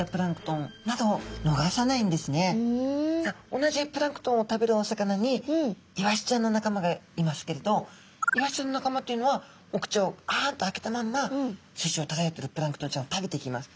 同じプランクトンを食べるお魚にイワシちゃんの仲間がいますけれどイワシちゃんの仲間というのはお口をあんと開けたまんま水中をただよっているプランクトンちゃんを食べていきます。